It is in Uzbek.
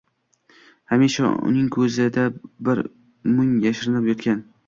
hamisha uning ko’zida bir mung” yashirinib yotgan.